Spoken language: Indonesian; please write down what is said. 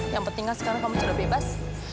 yang pentingnya sekarang kamu sudah bebas